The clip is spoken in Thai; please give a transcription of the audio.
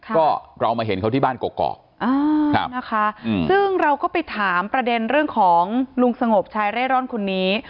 ก็เรามาเห็นเขาที่บ้านกอกนะคะซึ่งเราก็ไปถามประเด็นเรื่องของลุงสงบชายเร่ร่อนคนนี้